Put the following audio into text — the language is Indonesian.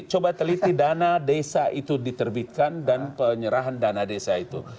coba teliti dana desa itu diterbitkan dan penyerahan dana desa itu